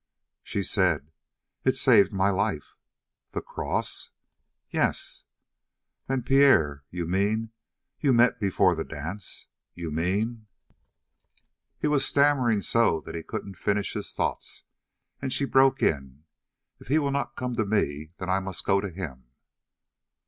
She said: "It saved my life." "The cross?" "Yes." "Then Pierre you mean you met before the dance you mean " He was stammering so that he couldn't finish his thoughts, and she broke in: "If he will not come to me, then I must go to him."